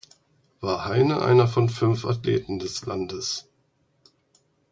War Heine einer von fünf Athleten des Landes.